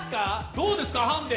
どうですか、ハンデ。